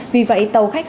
vì vậy tàu khách